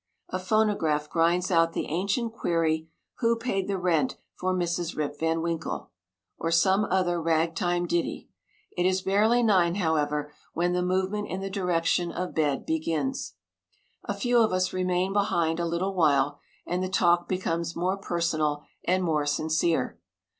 A phonograph grinds out the ancient query "Who Paid the Rent for Mrs. Rip Van Winkle?" or some other ragtime ditty. It is barely nine, however, when the movement in the direction of bed begins. A few of us remain behind a little while, and the talk becomes more personal and more sincere.